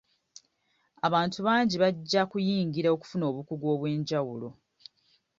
Abantu bangi bajja kuyingira okufuna obukugu obwenjawulo.